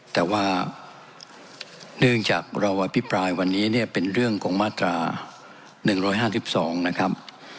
แต่ว่าเนื่องจากเราอภิปรายวันนี้เนี่ยเป็นเรื่องของมาตรา๑๕๒นะครับ